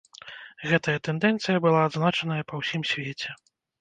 Гэтая тэндэнцыя была адзначаная па ўсім свеце.